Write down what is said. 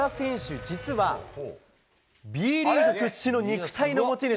実は、Ｂリーグ屈指の肉体の持ち主。